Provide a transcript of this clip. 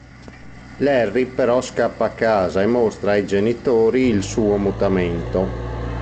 Larry però scappa a casa e mostra ai genitori il suo mutamento.